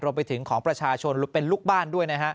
รวมไปถึงของประชาชนเป็นลูกบ้านด้วย